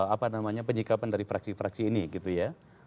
apa namanya penyikapan dari fraksi fraksi ini gitu ya